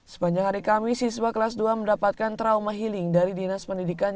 sepanjang hari kami siswa kelas dua mendapatkan trauma healing dari dinas pendidikan